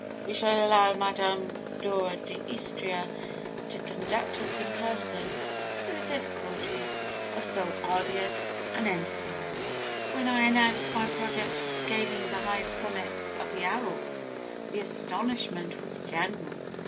We shall allow Madame Dora d'Istria to conduct us in person through the difficulties of so arduous an enterprise. "When I announced my project of scaling the highest summits of the Alps, the astonishment was general.